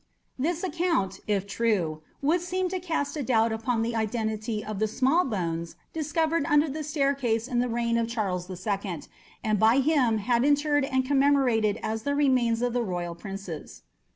This account, if true, would seem to cast a doubt upon the identity of the "small bones" discovered under the staircase in the reign of Charles the Second, and by him had interred and commemorated as the remains of the royal princes.